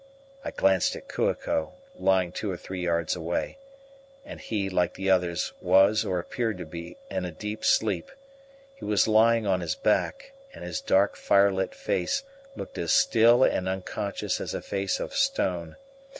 I glanced at Kua ko lying two or three yards away, and he, like the others, was, or appeared to be, in a deep sleep; he was lying on his back, and his dark firelit face looked as still and unconscious as a face of stone.